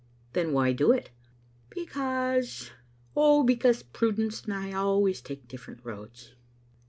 "Then why do it?" " Becaus e Oh, because prudence and I always take different roads."